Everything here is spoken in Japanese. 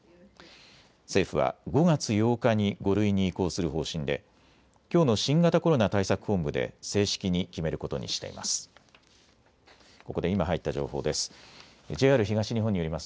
政府は５月８日に５類に移行する方針できょうの新型コロナ対策本部で正式に決めることにしています。